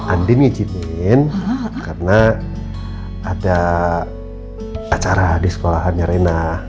andien ngijinin karena ada acara di sekolahnya rena